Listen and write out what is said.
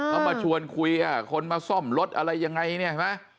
เป็นชวนคุยคนมาซ่อมรถอะไรยังไงนี่